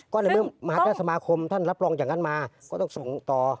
ก็ในเมื่อมหาเทศสมาคมท่านรับรองอย่างนั้นมาก็ต้องส่งต่อ